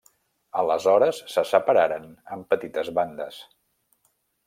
Aleshores se separaren en petites bandes.